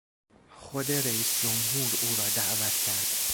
خود رییس جمهور او را دعوت کرد.